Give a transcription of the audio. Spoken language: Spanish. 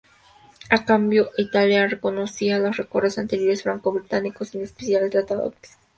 A cambio Italia reconocía los acuerdos anteriores franco-británicos, en especial el Tratado Sykes-Picot.